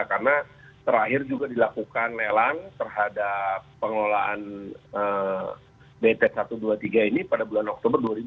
karena terakhir juga dilakukan melang terhadap pengelolaan bt satu ratus dua puluh tiga ini pada bulan oktober dua ribu delapan belas